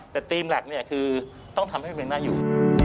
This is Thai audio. แต่สตรีมแหลกนี่คือต้องทำให้มันยังไงอยู่